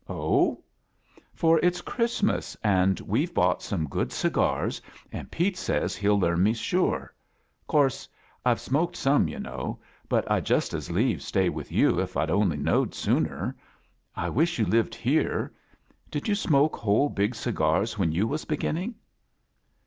"Oh!" "For it's Christmas, an' we've botight some good cigars, an' Pete says hell learn me sure. CX coarse Tve smoked some, yo« know. But Td iust as kaves stayed with you if Td only knowed sooner. I wish you lived here. Did yoa smoke wfiole b^ cigars when yoa was beginning?"